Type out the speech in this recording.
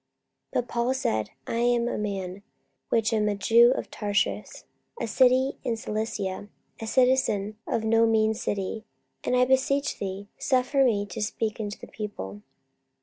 44:021:039 But Paul said, I am a man which am a Jew of Tarsus, a city in Cilicia, a citizen of no mean city: and, I beseech thee, suffer me to speak unto the people.